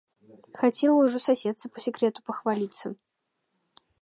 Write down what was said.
Хацела ўжо суседцы па сакрэту пахваліцца.